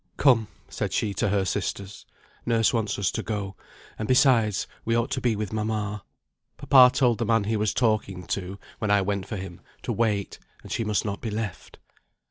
"Come," said she to her sisters, "nurse wants us to go; and besides, we ought to be with mamma. Papa told the man he was talking to, when I went for him, to wait, and she must not be left."